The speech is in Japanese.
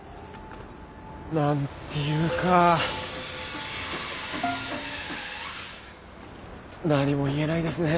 何て言うか何も言えないですねぇ」。